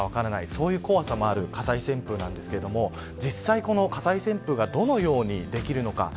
そういう怖さもある火災旋風ですが実際、この火災旋風がどのようにできるのか。